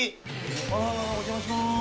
あらららお邪魔します。